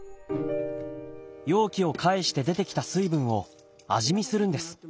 容器を返して出てきた水分を味見するんです。